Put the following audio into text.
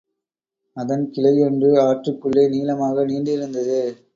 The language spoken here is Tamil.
அதன் கிளையொன்று ஆற்றிற்குள்ளே நீளமாக நீண்டிருந்தது.